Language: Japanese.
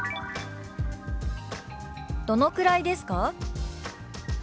「どのくらいですか？」。